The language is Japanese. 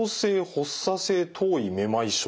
発作性頭位めまい症。